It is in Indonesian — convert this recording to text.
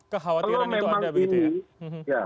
kekhawatiran itu ada begitu ya